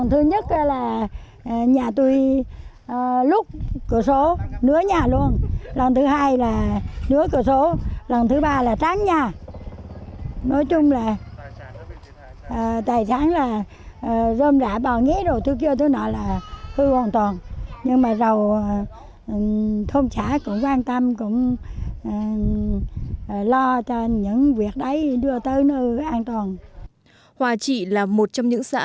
hòa trị là một trong những xã